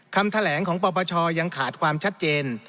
คำแถลงของปปชยังขาดความชัดเจน